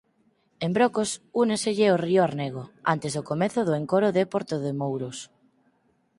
En Brocos úneselle o río Arnego antes do comezo do encoro de Portodemouros.